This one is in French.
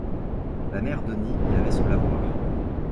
La Mère Denis y avait son lavoir.